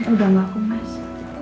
udah gak kumas